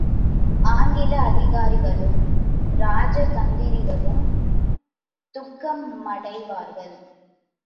ஆங்கில அதிகாரிகளும் ராஜதந்திரிகளும் துக்கமடைவார்கள்.